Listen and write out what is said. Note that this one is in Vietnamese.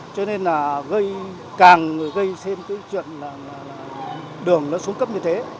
cho nên là càng người gây xem cái chuyện là đường nó xuống cấp như thế